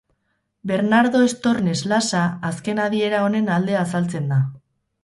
Bernardo Estornes Lasa, azken adiera honen alde azaltzen da.